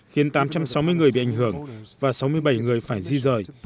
khiến tám trăm sáu mươi người bị ảnh hưởng và sáu mươi bảy người phải di rời